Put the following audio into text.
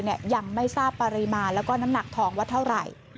ยังไม่ทราบปริมาณแล้วก็น้ำหนักทองว่าเท่าไหร่